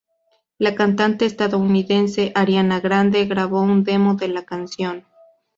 La cantante estadounidense Ariana Grande grabó un demo de la canción.